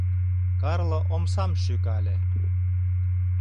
Карло омсам шӱкале.